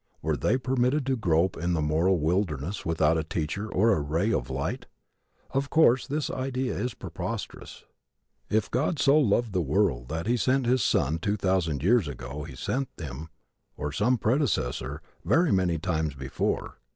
Were they permitted to grope in the moral wilderness without a Teacher or a ray of light? Of course the idea is preposterous. If God so loved the world that He sent his Son two thousand years ago He sent Him, or some predecessor, very many times before.